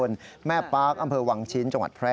นี่ควันสังเกตเห็นจ้ะควันออกมา